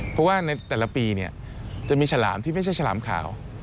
เพราะว่าในแต่ละปีจะมีฉลามที่ไม่ใช่ฉลามขาว